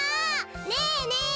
ねえねえ